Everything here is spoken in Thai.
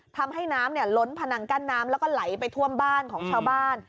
ทำให้น้ำล้นพนังกั้นน้ำแล้วก็ไหลไปท่วมบ้านของชาวบ้าน